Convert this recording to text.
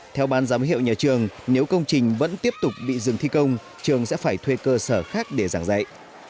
theo ban giám hiệu nhà trường nếu công trình vẫn tiếp tục bị dừng thi công trường sẽ phải thuê cơ sở khác để giảng dạy